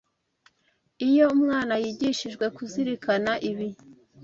Iyo umwana yigishijwe kuzirikana ibi,